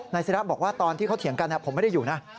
ศิราบอกว่าตอนที่เขาเถียงกันผมไม่ได้อยู่นะ